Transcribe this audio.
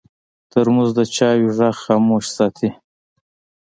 ترموز د چایو غږ خاموش ساتي.